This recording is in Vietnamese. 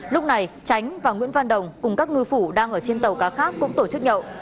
lúc này tránh và nguyễn văn đồng cùng các ngư phủ đang ở trên tàu cá khác cũng tổ chức nhậu